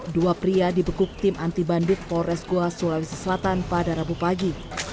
dua pria dibekuk tim anti banduk polres goa sulawesi selatan pada rabu pagi